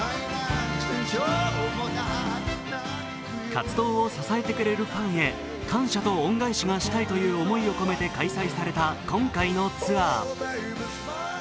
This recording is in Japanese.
活動を支えてくれるファンへ感謝と恩返しがしたいという思いを込めて開催された今回のツアー。